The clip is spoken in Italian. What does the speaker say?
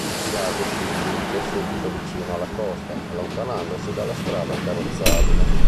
Lo slargo si dirige subito vicino alla costa, allontanandosi dalla strada carrozzabile.